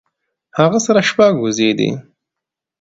هغۀ سره شپږ وزې دي